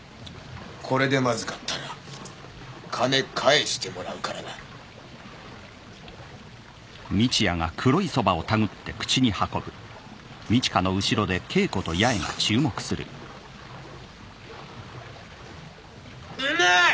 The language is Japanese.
これでまずかったら金返してもらうからなうまい！